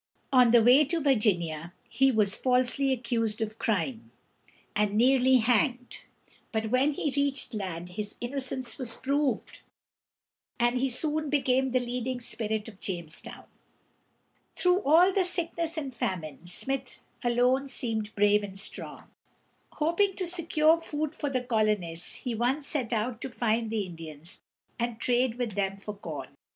On the way to Virginia he was falsely accused of crime, and nearly hanged; but when he reached land his innocence was proved, and he soon became the leading spirit of Jamestown. Through all the sickness and famine Smith alone seemed brave and strong. Hoping to secure food for the colonists, he once set out to find the Indians and trade with them for corn.